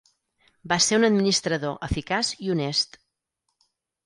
Va ser un administrador eficaç i honest.